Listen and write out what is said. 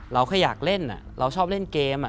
แค่อยากเล่นเราชอบเล่นเกม